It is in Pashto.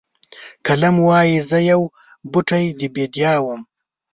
قلم وایي زه یو بوټی د بیدیا وم.